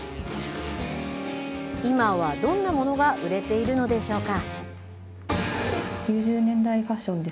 今はどんなものが売れているのでしょうか。